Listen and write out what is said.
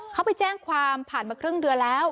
เขาไปแจ้งความผ่านมาครึ่งเดือนแล้ว